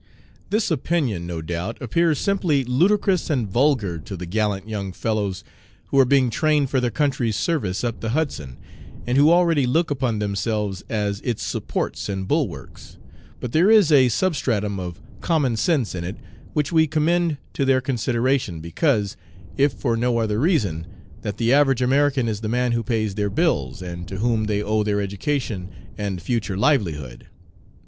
"This opinion, no doubt, appears simply ludicrous and vulgar to the gallant young fellows who are being trained for their country's service up the Hudson, and who already look upon themselves as its supports and bulwarks, but there is a substratum of common sense in it which we commend to their consideration, because, if for no other reason, that the average American is the man who pays their bills and to whom they owe their education and future livelihood.